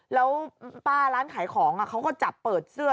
แล้วป้าร้านขายของเขาก็จับเปิดเสื้อ